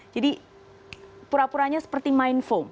jadi pura puranya seperti main foam